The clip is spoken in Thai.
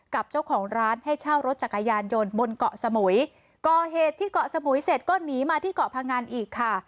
กับเจ้าของร้านให้เช่ารถจักรยานยนต์บนเกาะสมุยก่อเหตุที่เกาะสมุยเสร็จก็หนีมาที่เกาะพังอันอีกค่ะ